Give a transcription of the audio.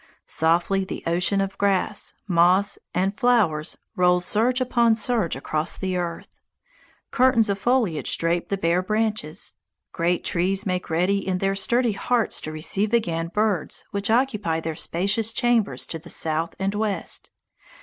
Softly the ocean of grass, moss, and flowers rolls surge upon surge across the earth. Curtains of foliage drape the bare branches. Great trees make ready in their sturdy hearts to receive again birds which occupy their spacious chambers to the south and west.